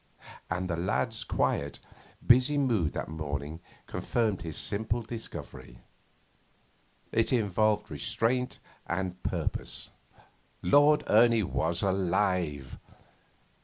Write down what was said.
And the lad's quiet, busy mood that morning confirmed his simple discovery. It involved restraint and purpose. Lord Ernie was alive.